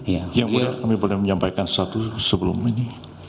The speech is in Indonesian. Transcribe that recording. yang mulia kami menyampaikan satu sebelum ini